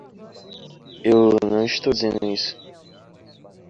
Eu não estou dizendo isso.